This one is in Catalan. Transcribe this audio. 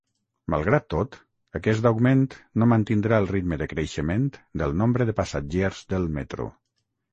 Malgrat tot, aquest augment no mantindrà el ritme de creixement del nombre de passatgers del metro.